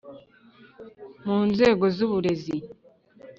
mu nzego zu burezi,